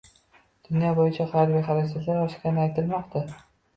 Dunyo bo‘yicha harbiy xarajatlar oshgani aytilmoqda